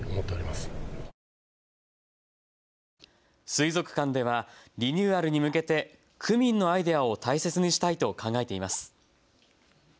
水族館ではリニューアルに向けて区民のアイデアを大切にしたいと考えています。